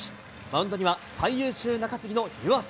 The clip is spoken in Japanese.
マウンドには、最優秀中継ぎの湯浅。